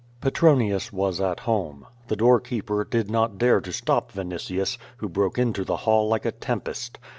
Petronius was at home. The doorkeeper did not dare to stop Vinitius, who broke into the hall like a tempest.